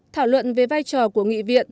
thảo luận về vai trò của nghị viện